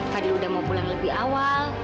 fadil udah mau pulang lebih awal